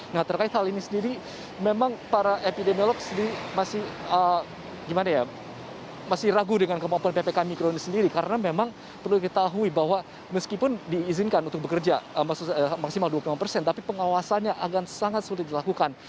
nah terkait hal ini sendiri memang para epidemiolog sendiri masih ragu dengan kemampuan ppkm mikro ini sendiri karena memang perlu diketahui bahwa meskipun diizinkan untuk bekerja maksimal dua puluh lima persen tapi pengawasannya akan sangat sulit dilakukan